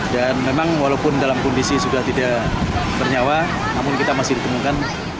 dan memang walaupun dalam kondisi sudah tidak bernyawa namun kita masih ditemukan